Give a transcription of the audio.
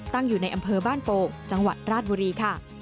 ตั้งอยู่ในอำเภอบ้านโป่งจังหวัดราชบุรีค่ะ